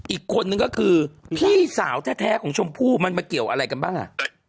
อีกคนนึงก็คือพี่สาวแท้ของชมพู่มันมาเกี่ยวอะไรกันบ้างอ่ะ